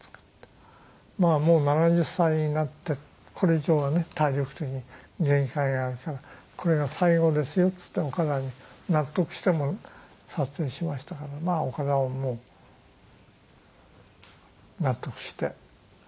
もう７０歳になってこれ以上はね体力的に限界があるから「これが最後ですよ」っつって岡田に納得してもらって撮影しましたから岡田はもう納得して。